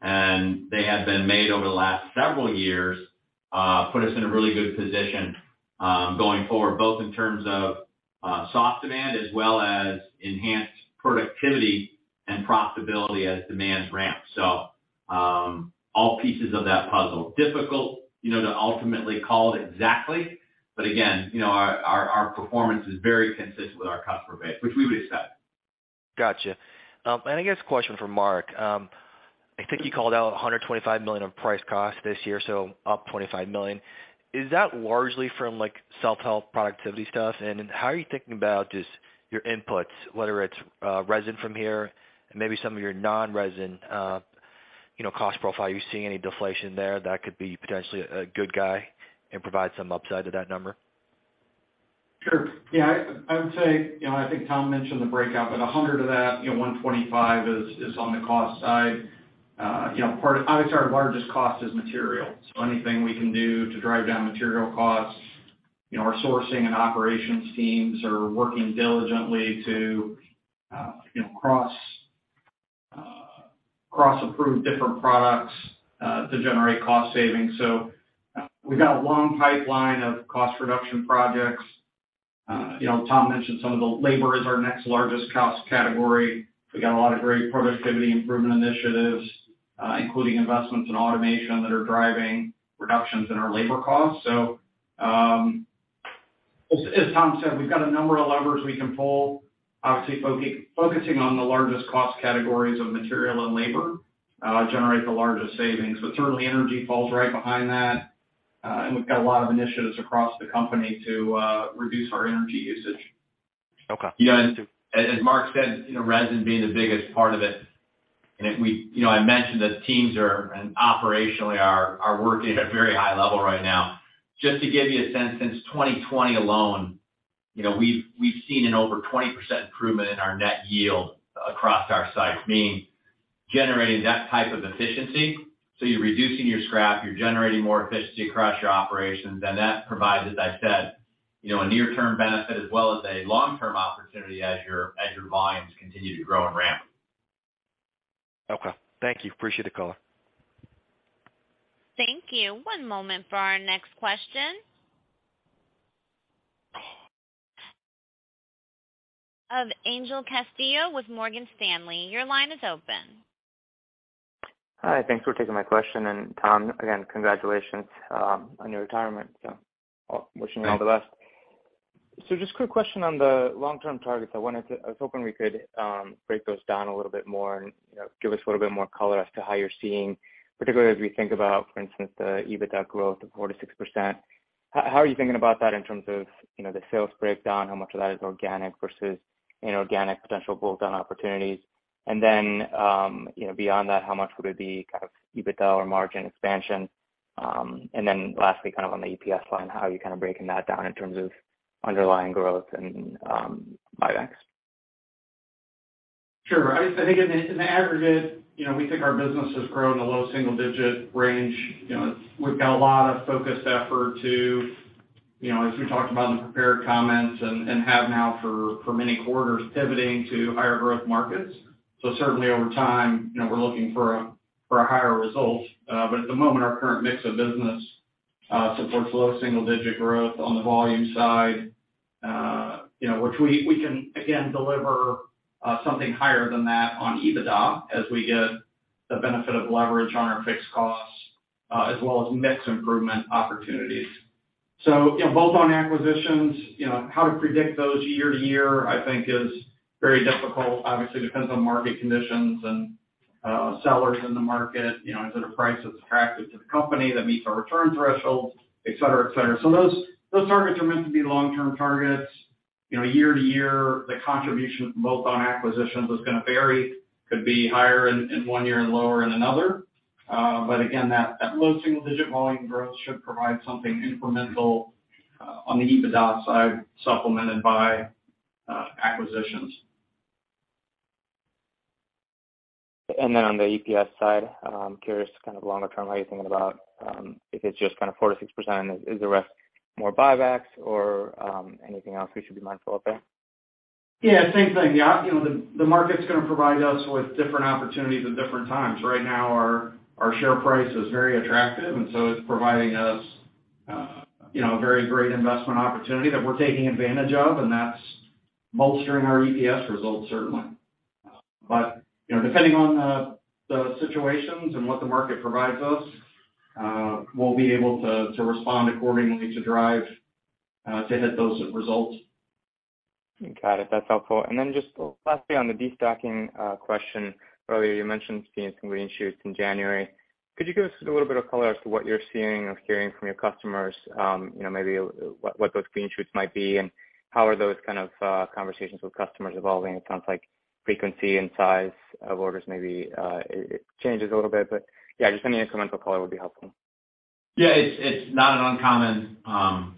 and they have been made over the last several years, put us in a really good position, going forward, both in terms of, soft demand as well as enhanced productivity and profitability as demand ramps. All pieces of that puzzle. Difficult, you know, to ultimately call it exactly. You know, our performance is very consistent with our customer base, which we would expect.
Gotcha. I guess a question for Mark. I think you called out $125 million on price cost this year, so up $25 million. Is that largely from self-help productivity stuff? How are you thinking about just your inputs, whether it's resin from here and maybe some of your non-resin cost profile? Are you seeing any deflation there that could be potentially a good guy and provide some upside to that number?
Sure. Yeah, I would say, you know, I think Tom mentioned the breakout, but $100 of that, you know, $125 is on the cost side. Obviously, our largest cost is material. Anything we can do to drive down material costs, you know, our sourcing and operations teams are working diligently to, you know, cross-approve different products to generate cost savings. We've got a long pipeline of cost reduction projects. Tom mentioned some of the labor is our next largest cost category. We got a lot of great productivity improvement initiatives, including investments in automation that are driving reductions in our labor costs. As Tom said, we've got a number of levers we can pull, obviously focusing on the largest cost categories of material and labor, generate the largest savings. Certainly energy falls right behind that. We've got a lot of initiatives across the company to reduce our energy usage.
Okay.
Yeah. As Mark said, you know, resin being the biggest part of it. You know, I mentioned the teams are and operationally are working at very high level right now. Just to give you a sense, since 2020 alone, you know, we've seen an over 20% improvement in our net yield across our sites, meaning generating that type of efficiency. You're reducing your scrap, you're generating more efficiency across your operations, and that provides, as I said, you know, a near-term benefit as well as a long-term opportunity as your volumes continue to grow and ramp.
Okay. Thank you. Appreciate the call.
Thank you. One moment for our next question. Of Angel Castillo with Morgan Stanley. Your line is open.
Hi. Thanks for taking my question. Tom, again, congratulations on your retirement. Wishing you all the best. Just quick question on the long-term targets. I was hoping we could break those down a little bit more and, you know, give us a little bit more color as to how you're seeing, particularly as we think about, for instance, the EBITDA growth of 4%-6%. How are you thinking about that in terms of, you know, the sales breakdown, how much of that is organic versus inorganic potential bolt-on opportunities? Then, you know, beyond that, how much would it be kind of EBITDA or margin expansion? Then lastly, kind of on the EPS line, how are you kind of breaking that down in terms of underlying growth and buybacks?
Sure. I think in the aggregate, you know, we think our business has grown in the low single-digit range. You know, we've got a lot of focused effort to, you know, as we talked about in the prepared comments and have now for many quarters pivoting to higher growth markets. Certainly over time, you know, we're looking for a higher result. But at the moment, our current mix of business supports low single-digit growth on the volume side, you know, which we can again deliver something higher than that on EBITDA as we get the benefit of leverage on our fixed costs, as well as mix improvement opportunities. You know, bolt-on acquisitions, you know, how to predict those year-to-year, I think is very difficult. Obviously, it depends on market conditions and sellers in the market, you know, is it a price that's attractive to the company that meets our return thresholds, et cetera, et cetera. Those, those targets are meant to be long-term targets. You know, year to year, the contribution of bolt-on acquisitions is gonna vary, could be higher in one year and lower in another. Again, that low single digit volume growth should provide something incremental on the EBITDA side, supplemented by acquisitions.
On the EPS side, curious kind of longer term how you're thinking about, if it's just kind of 4%-6%. Is the rest more buybacks or anything else we should be mindful of there?
Yeah, same thing. You know, the market's gonna provide us with different opportunities at different times. Right now our share price is very attractive, it's providing us, you know, a very great investment opportunity that we're taking advantage of, and that's bolstering our EPS results, certainly. You know, depending on the situations and what the market provides us, we'll be able to respond accordingly to drive to hit those results.
Got it. That's helpful. Just lastly on the destocking question. Earlier you mentioned seeing some green shoots in January. Could you give us a little bit of color as to what you're seeing or hearing from your customers, you know, maybe what those green shoots might be and how are those kind of conversations with customers evolving? It sounds like frequency and size of orders maybe changes a little bit, yeah, just any incremental color would be helpful.
Yeah. It's, it's not an uncommon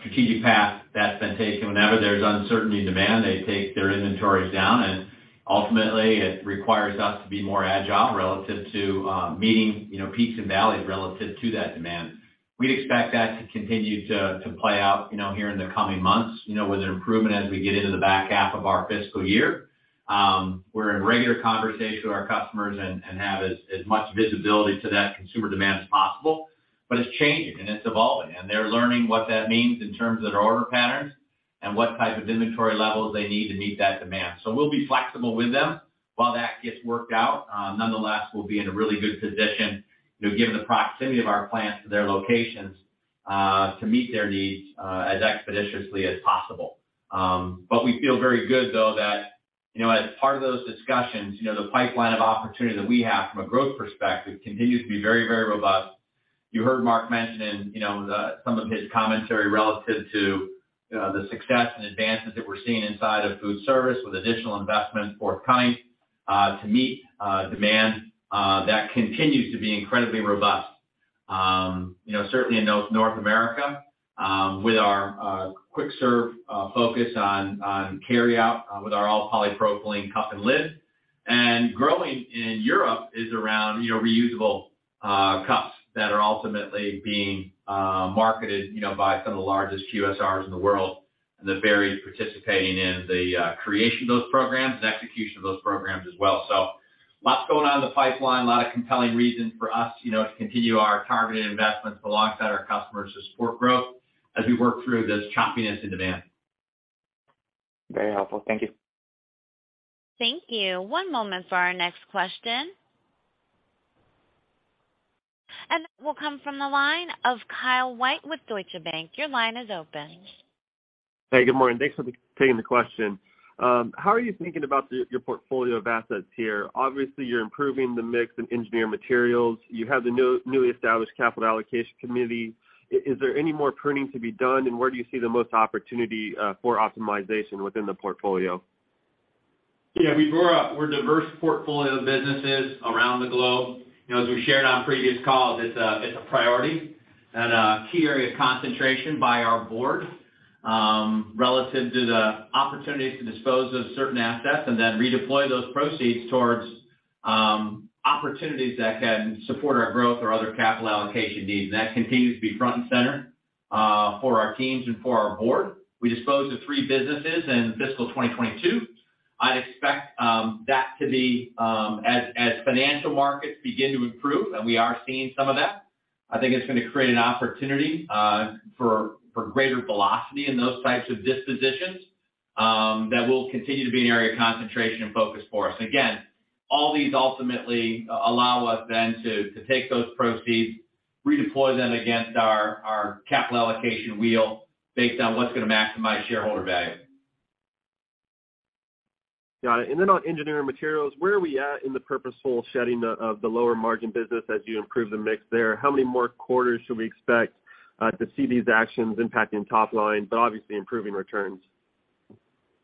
strategic path that's been taken. Whenever there's uncertainty in demand, they take their inventories down, and ultimately it requires us to be more agile relative to meeting, you know, peaks and valleys relative to that demand. We'd expect that to continue to play out, you know, here in the coming months, you know, with an improvement as we get into the back half of our fiscal year. We're in regular conversation with our customers and have as much visibility to that consumer demand as possible. It's changing and it's evolving, and they're learning what that means in terms of their order patterns and what type of inventory levels they need to meet that demand. We'll be flexible with them while that gets worked out. Nonetheless, we'll be in a really good position, you know, given the proximity of our plants to their locations, to meet their needs, as expeditiously as possible. We feel very good though that, you know, as part of those discussions, you know, the pipeline of opportunities that we have from a growth perspective continues to be very, very robust. You heard Mark mention in, you know, some of his commentary relative to the success and advances that we're seeing inside of food service with additional investments forthcoming, to meet demand that continues to be incredibly robust. You know, certainly in North America, with our quick serve focus on carryout, with our all polypropylene cup and lid. Growing in Europe is around, you know, reusable cups that are ultimately being marketed, you know, by some of the largest QSRs in the world. That Berry is participating in the creation of those programs and execution of those programs as well. Lots going on in the pipeline. A lot of compelling reasons for us, you know, to continue our targeted investments alongside our customers to support growth as we work through this choppiness in demand.
Very helpful. Thank you.
Thank you. One moment for our next question. That will come from the line of Kyle White with Deutsche Bank. Your line is open.
Hey, good morning. Thanks for taking the question. How are you thinking about your portfolio of assets here? Obviously, you're improving the mix in Engineered Materials. You have the newly established capital allocation committee. Is there any more pruning to be done, and where do you see the most opportunity for optimization within the portfolio?
Yeah. We're a diverse portfolio of businesses around the globe. You know, as we've shared on previous calls, it's a priority and a key area of concentration by our board, relative to the opportunities to dispose of certain assets and then redeploy those proceeds towards opportunities that can support our growth or other capital allocation needs. That continues to be front and center for our teams and for our board. We disposed of three businesses in fiscal 2022. I'd expect that to be as financial markets begin to improve, and we are seeing some of that I think it's gonna create an opportunity for greater velocity in those types of dispositions that will continue to be an area of concentration and focus for us. All these ultimately allow us then to take those proceeds, redeploy them against our capital allocation wheel based on what's gonna maximize shareholder value.
Got it. On Engineered Materials, where are we at in the purposeful shedding of the lower margin business as you improve the mix there? How many more quarters should we expect to see these actions impacting top line, but obviously improving returns?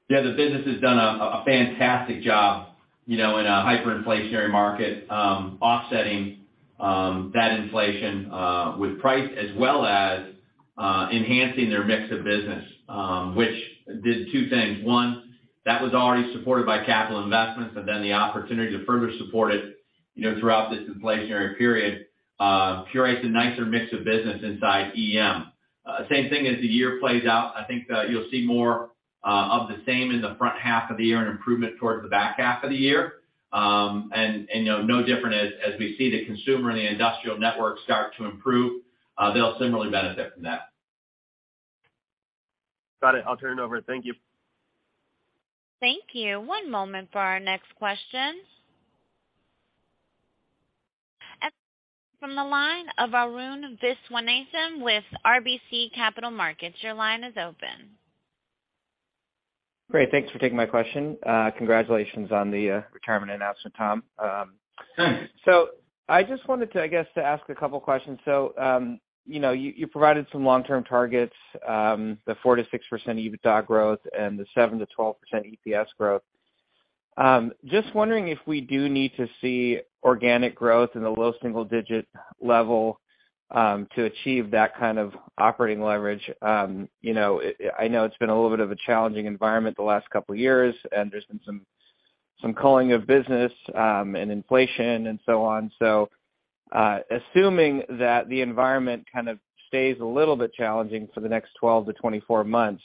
The business has done a fantastic job, you know, in a hyperinflationary market, offsetting that inflation with price as well as enhancing their mix of business, which did two things. One, that was already supported by capital investments, but then the opportunity to further support it, you know, throughout this inflationary period, curates a nicer mix of business inside EM. Same thing as the year plays out, I think that you'll see more of the same in the front half of the year and improvement towards the back half of the year. No different as we see the consumer and the industrial network start to improve, they'll similarly benefit from that.
Got it. I'll turn it over. Thank you.
Thank you. One moment for our next question. From the line of Arun Viswanathan with RBC Capital Markets, your line is open.
Great. Thanks for taking my question. Congratulations on the retirement announcement, Tom.
Thanks.
I just wanted to, I guess, to ask a couple questions. You know, you provided some long-term targets, the 4%-6% EBITDA growth and the 7%-12% EPS growth. Just wondering if we do need to see organic growth in the low single-digit level to achieve that kind of operating leverage. You know, I know it's been a little bit of a challenging environment the last couple years, and there's been some culling of business, and inflation and so on. Assuming that the environment kind of stays a little bit challenging for the next 12 to 24 months,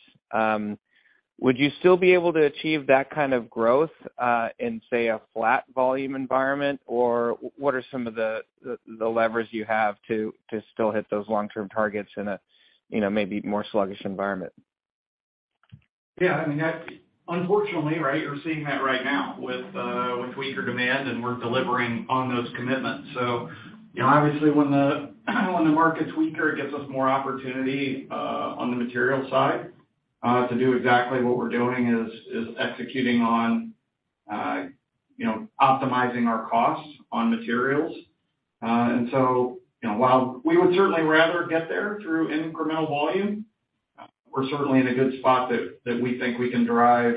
would you still be able to achieve that kind of growth in, say, a flat volume environment? What are some of the levers you have to still hit those long-term targets in a, you know, maybe more sluggish environment?
Yeah, I mean, that's. Unfortunately, right, we're seeing that right now with weaker demand, and we're delivering on those commitments. You know, obviously when the market's weaker, it gives us more opportunity on the materials side to do exactly what we're doing is executing on, you know, optimizing our costs on materials. You know, while we would certainly rather get there through incremental volume, we're certainly in a good spot that we think we can derive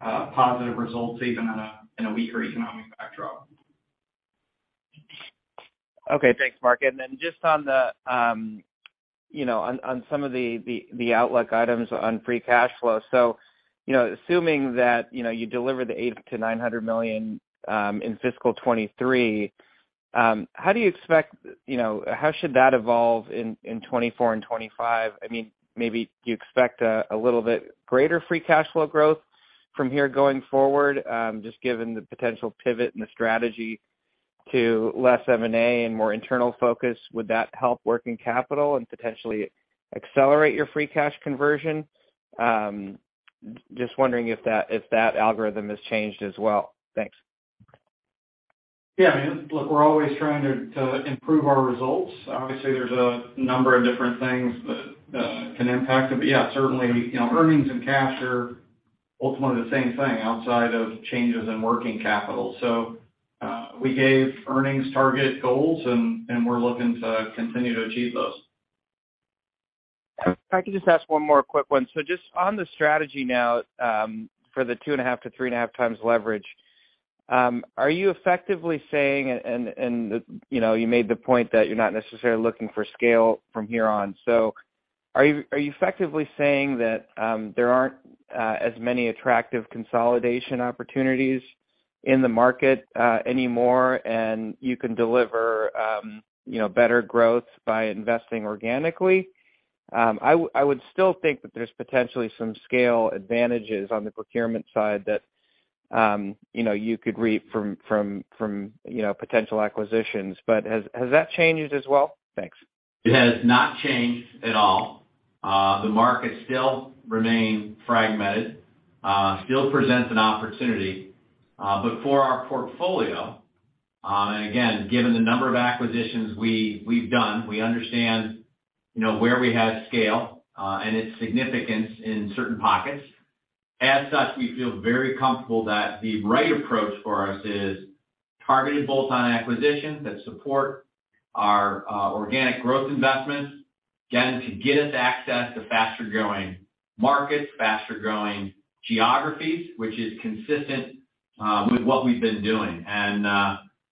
positive results even in a weaker economic backdrop.
Okay. Thanks, Mark. Just on the, you know, on some of the outlook items on free cash flow. You know, assuming that, you know, you deliver the $800 million-$900 million in fiscal 2023, how should that evolve in 2024 and 2025? I mean, maybe do you expect a little bit greater free cash flow growth from here going forward? Just given the potential pivot in the strategy to less M&A and more internal focus, would that help working capital and potentially accelerate your free cash conversion? Just wondering if that, if that algorithm has changed as well. Thanks.
Yeah. I mean, look, we're always trying to improve our results. Obviously, there's a number of different things that can impact it. Yeah, certainly, you know, earnings and cash are ultimately the same thing outside of changes in working capital. We gave earnings target goals and we're looking to continue to achieve those.
If I could just ask one more quick one. Just on the strategy now, for the 2.5x to 3.5x leverage, are you effectively saying... You know, you made the point that you're not necessarily looking for scale from here on. Are you effectively saying that there aren't as many attractive consolidation opportunities in the market anymore and you can deliver, you know, better growth by investing organically? I would still think that there's potentially some scale advantages on the procurement side that, you know, you could reap from, you know, potential acquisitions. Has that changed as well? Thanks.
It has not changed at all. The market still remain fragmented, still presents an opportunity. But for our portfolio, and again, given the number of acquisitions we've done, we understand, you know, where we have scale, and its significance in certain pockets. As such, we feel very comfortable that the right approach for us is targeted bolt-on acquisitions that support our organic growth investments, again, to get us access to faster-growing markets, faster-growing geographies, which is consistent with what we've been doing.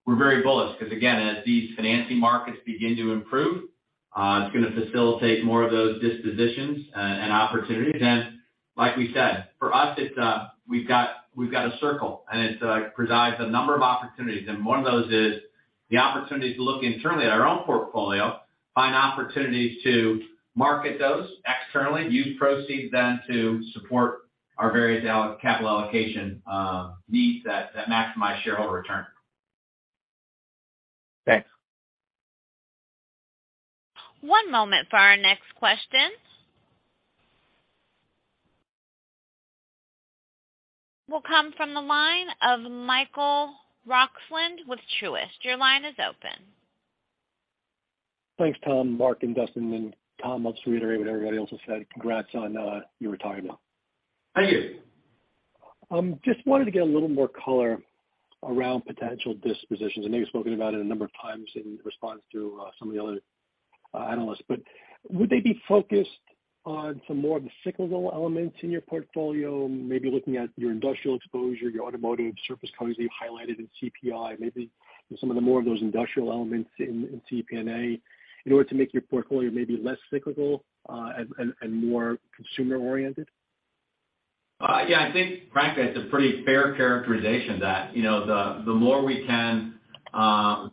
We're very bullish because, again, as these financing markets begin to improve, it's gonna facilitate more of those dispositions, and opportunities. Like we said, for us, it's, we've got, we've got a circle, and it, provides a number of opportunities. One of those is the opportunity to look internally at our own portfolio, find opportunities to market those externally, use proceeds then to support our various capital allocation needs that maximize shareholder return.
Thanks.
One moment for our next question. Will come from the line of Michael Roxland with Truist. Your line is open.
Thanks, Tom, Mark, and Dustin. Tom, I'll just reiterate what everybody else has said. Congrats on your retirement.
Thank you.
Just wanted to get a little more color around potential dispositions. I know you've spoken about it a number of times in response to some of the other analysts, but would they be focused on some more of the cyclical elements in your portfolio, maybe looking at your industrial exposure, your automotive surface coatings that you've highlighted in CPI, maybe some of the more of those industrial elements in CPNA in order to make your portfolio maybe less cyclical, and more consumer oriented?
Yeah, I think frankly, it's a pretty fair characterization that, you know, the more we can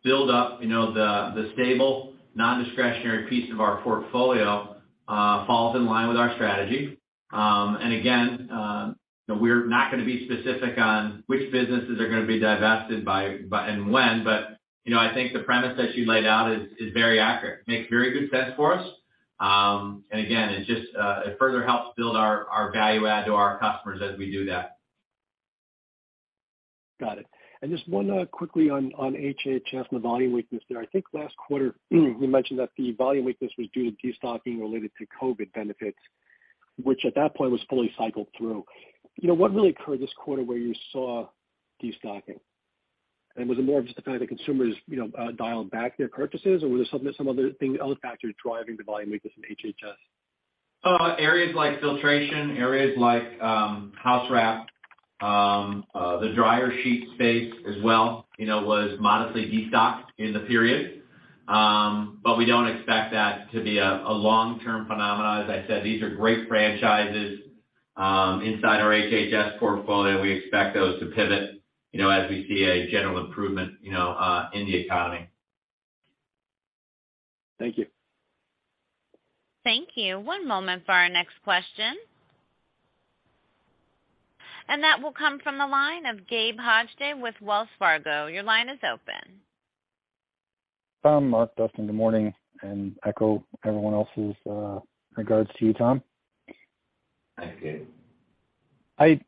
build up, you know, the stable, non-discretionary piece of our portfolio falls in line with our strategy. Again, you know, we're not gonna be specific on which businesses are gonna be divested by and when, but you know, I think the premise that you laid out is very accurate. Makes very good sense for us. Again, it just further helps build our value add to our customers as we do that.
Got it. Just one, quickly on HH&S and the volume weakness there. I think last quarter, you mentioned that the volume weakness was due to destocking related to COVID benefits, which at that point was fully cycled through. You know, what really occurred this quarter where you saw destocking? Was it more of just the fact that consumers, you know, dialed back their purchases or were there some other factors driving the volume weakness in HH&S?
Areas like filtration, areas like house wrap, the dryer sheet space as well, you know, was modestly destocked in the period. We don't expect that to be a long-term phenomena. As I said, these are great franchises, inside our HH&S portfolio. We expect those to pivot, you know, as we see a general improvement, you know, in the economy.
Thank you.
Thank you. One moment for our next question. That will come from the line of Gabe Hajde with Wells Fargo. Your line is open.
Tom, Mark, Dustin, good morning. Echo everyone else's regards to you, Tom.
Thank you.
I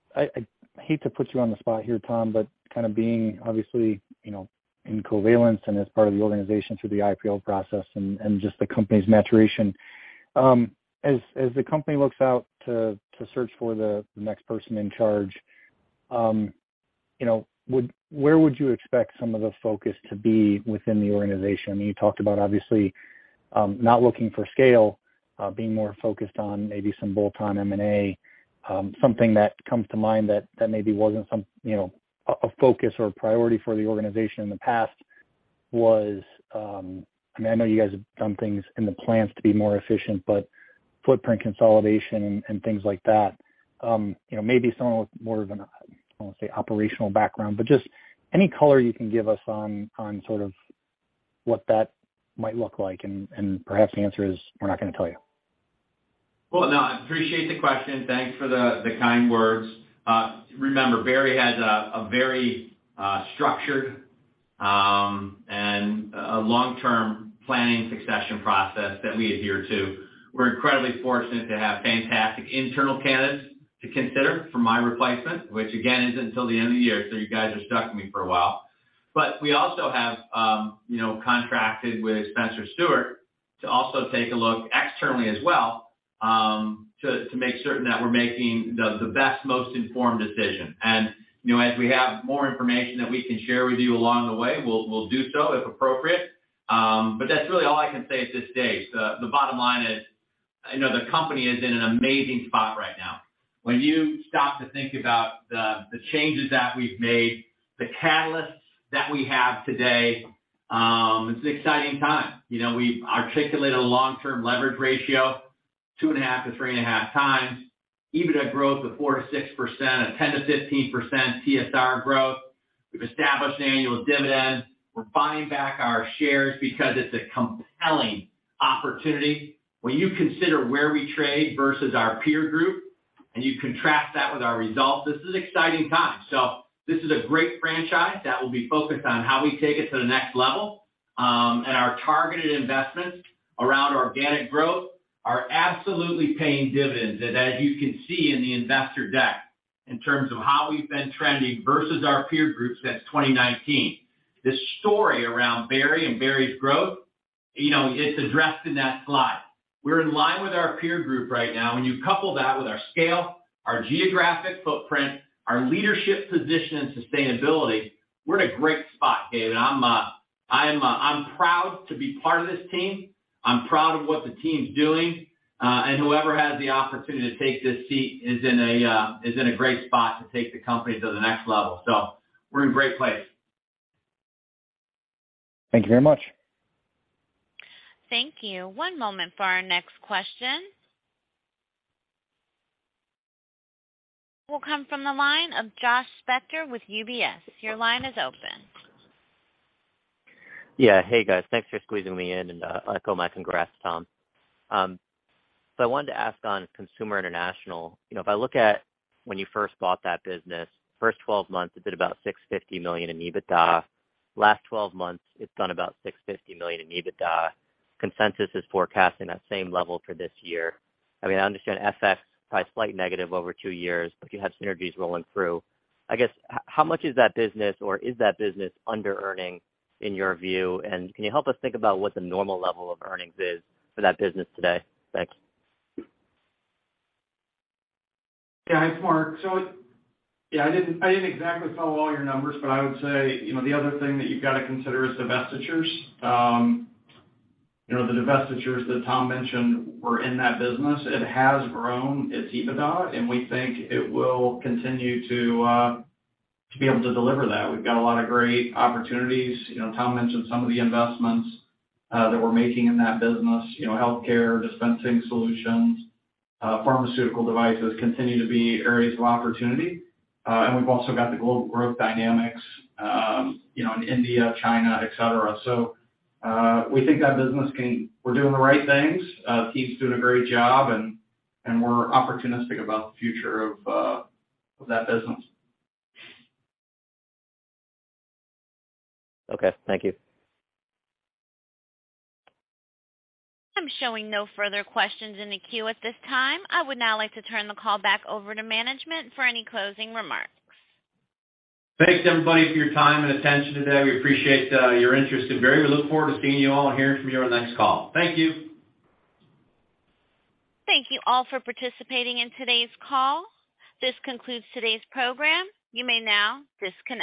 hate to put you on the spot here, Tom, but kind of being obviously, you know, in Covalence and as part of the organization through the IPO process and just the company's maturation, as the company looks out to search for the next person in charge, you know, where would you expect some of the focus to be within the organization? You talked about obviously, not looking for scale, being more focused on maybe some bolt-on M&A. Something that comes to mind that maybe wasn't some, you know, a focus or priority for the organization in the past was, I mean, I know you guys have done things in the plants to be more efficient, but footprint consolidation and things like that. You know, maybe someone with more of an, I wanna say, operational background, but just any color you can give us on sort of what that might look like. Perhaps the answer is, we're not gonna tell you.
Well, no, I appreciate the question. Thanks for the kind words. Remember, Berry has a very structured and a long-term planning succession process that we adhere to. We're incredibly fortunate to have fantastic internal candidates to consider for my replacement, which, again, isn't until the end of the year, so you guys are stuck with me for a while. We also have, you know, contracted with Spencer Stuart to also take a look externally as well, to make certain that we're making the best, most informed decision. You know, as we have more information that we can share with you along the way, we'll do so if appropriate. That's really all I can say at this stage. The bottom line is, I know the company is in an amazing spot right now. When you stop to think about the changes that we've made, the catalysts that we have today, it's an exciting time. You know, we've articulated a long-term leverage ratio, 2.5x to 3.5x, EBITDA growth of 4%-6%, a 10%-15% TSR growth. We've established an annual dividend. We're buying back our shares because it's a compelling opportunity. When you consider where we trade versus our peer group, and you contrast that with our results, this is exciting times. This is a great franchise that will be focused on how we take it to the next level. Our targeted investments around organic growth are absolutely paying dividends. As you can see in the investor deck, in terms of how we've been trending versus our peer groups since 2019, the story around Berry and Berry's growth, you know, it's addressed in that slide. We're in line with our peer group right now. When you couple that with our scale, our geographic footprint, our leadership position and sustainability, we're in a great spot, Gabe. I'm proud to be part of this team. I'm proud of what the team's doing. Whoever has the opportunity to take this seat is in a great spot to take the company to the next level. We're in a great place.
Thank you very much.
Thank you. One moment for our next question. Will come from the line of Josh Spector with UBS. Your line is open.
Hey, guys. Thanks for squeezing me in. Echo my congrats, Tom. I wanted to ask on Consumer International, you know, if I look at when you first bought that business, first 12 months, it did about $650 million in EBITDA. Last 12 months, it's done about $650 million in EBITDA. Consensus is forecasting that same level for this year. I mean, I understand FX probably slight negative over two years, but you have synergies rolling through. I guess, how much is that business, or is that business under earning in your view? Can you help us think about what the normal level of earnings is for that business today? Thanks.
Yeah, it's Mark. I didn't exactly follow all your numbers, but I would say, you know, the other thing that you've got to consider is divestitures. You know, the divestitures that Tom mentioned were in that business. It has grown its EBITDA, and we think it will continue to be able to deliver that. We've got a lot of great opportunities. You know, Tom mentioned some of the investments that we're making in that business. You know, healthcare dispensing solutions, pharmaceutical devices continue to be areas of opportunity. And we've also got the global growth dynamics, you know, in India, China, et cetera. We think that business can... We're doing the right things. Team's doing a great job, and we're opportunistic about the future of that business.
Okay, thank you.
I'm showing no further questions in the queue at this time. I would now like to turn the call back over to management for any closing remarks.
Thanks, everybody, for your time and attention today. We appreciate your interest in Berry. We look forward to seeing you all and hearing from you on the next call. Thank you.
Thank you all for participating in today's call. This concludes today's program. You may now disconnect.